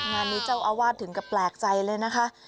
งานนี้เจ้าอาวาสถึงกับแปลกใจเลยนะคะ